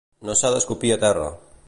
No s'ha d'escupir a terra